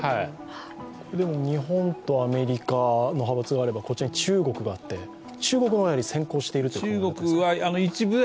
日本とアメリカの派閥があれば中国もあって中国もやはり先行しているということですか。